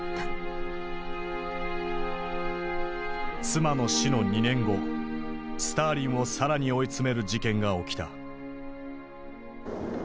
妻の死の２年後スターリンを更に追い詰める事件が起きた。